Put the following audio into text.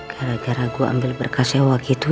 gara gara gue ambil berkas sewa gitu